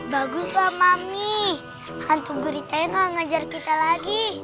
bagus lah mami hantu guritanya gak ngejar kita lagi